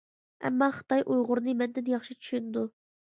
ئەمما خىتاي ئۇيغۇرنى مەندىن ياخشى چۈشىنىدۇ.